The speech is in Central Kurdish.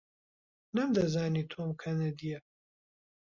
نەمدەزانی تۆم کەنەدییە.